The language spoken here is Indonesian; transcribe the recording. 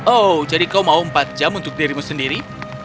oh jadi kau mau empat jam untuk dirimu sendiri